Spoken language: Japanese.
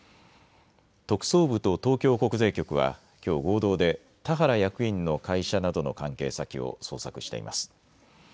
特捜部と東京国税局はきょう合同で田原役員の会社などの関係先を捜索しています。